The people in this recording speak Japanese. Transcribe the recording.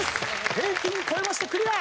平均超えましてクリア！